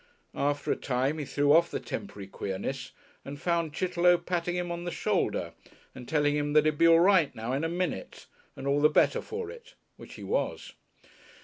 After a time he threw off the temporary queerness and found Chitterlow patting him on the shoulder and telling him that he'd be all right now in a minute and all the better for it which he was.